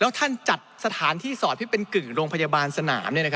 แล้วท่านจัดสถานที่สอบที่เป็นกึ่งโรงพยาบาลสนาม